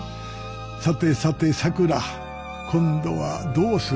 さてさてさくら今度はどうする？